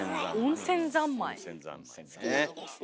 温泉三昧ですねえ。